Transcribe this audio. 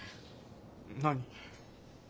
何？